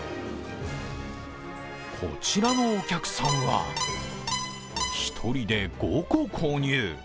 こちらのお客さんは１人で５個購入。